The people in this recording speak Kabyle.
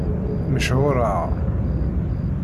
Mechuṛeɣ.